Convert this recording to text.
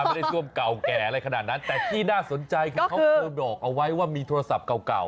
ไม่ได้ซ่วมเก่าแก่อะไรขนาดนั้นแต่ที่น่าสนใจคือเขาเคยบอกเอาไว้ว่ามีโทรศัพท์เก่า